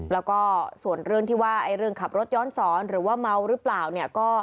แล้วก็ส่วนเรื่องที่ว่าเรื่องขับรถย้อนสอนหรือว่าเมาหรือเปล่าเนี่ย